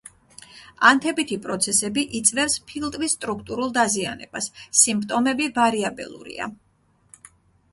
ანთებითი პროცესები იწვევს ფილტვის სტრუქტურულ დაზიანებას, სიმპტომები ვარიაბელურია.